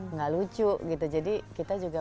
nggak lucu gitu jadi kita juga